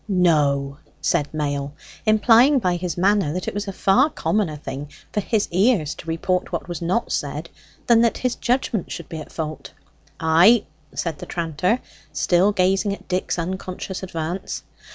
no!" said Mail, implying by his manner that it was a far commoner thing for his ears to report what was not said than that his judgment should be at fault. "Ay," said the tranter, still gazing at Dick's unconscious advance.